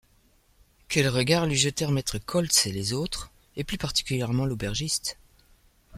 Quels regards lui jetèrent maître Koltz et les autres — et plus particulièrement l’aubergiste!